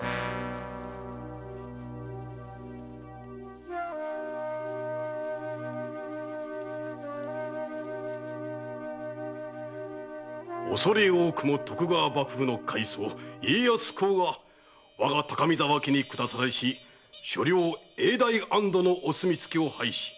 〔恐れ多くも徳川幕府の開祖・家康公が我が高見沢家に下されし所領永代安堵のお墨付きを拝し